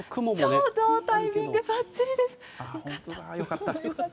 ちょうどタイミングばっちりです！